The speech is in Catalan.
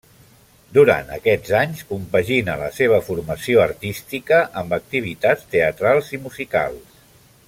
Durant aquests anys compagina la seva formació artística amb activitats teatrals i musicals.